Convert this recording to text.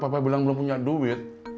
papa bilang belum punya duit